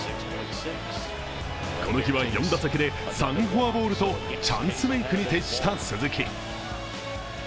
この日は４打席で３フォアボールとチャンスメイクに徹した鈴木。